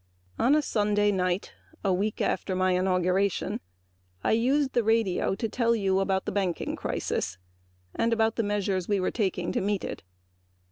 On a Sunday night a week after my inauguration I used the radio to tell you about the banking crisis and the measures we were taking to meet it.